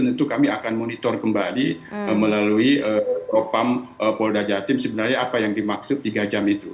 tentu kami akan monitor kembali melalui propam polda jatim sebenarnya apa yang dimaksud tiga jam itu